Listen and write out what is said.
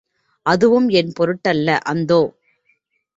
அதுவும் என் பொருட்டல்ல அந்தோ!